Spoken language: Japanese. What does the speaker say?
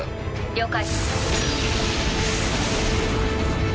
了解。